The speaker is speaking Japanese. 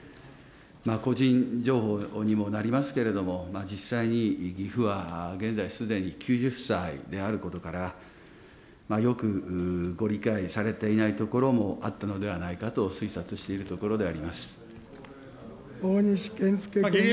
個人情報にもなりますけれども、実際に義父は現在、すでに９０歳であることから、よくご理解されていないところもあったのではないかと推察してい大西健介君。